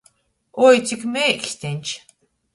Oi, cik meiksteņš!